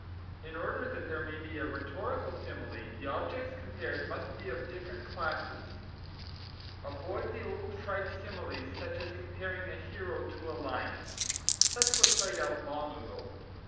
In order that there may be a rhetorical simile, the objects compared must be of different classes. Avoid the old trite similes such as comparing a hero to a lion. Such were played out long ago.